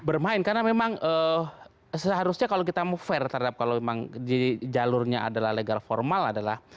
bermain karena memang seharusnya kalau kita mau fair terhadap kalau memang di jalurnya adalah legal formal adalah